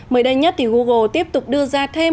mới đây nhất google tiếp tục đưa ra thêm